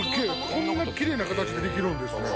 こんなキレイな形でできるんですね。